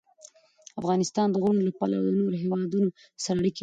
افغانستان د غرونه له پلوه له نورو هېوادونو سره اړیکې لري.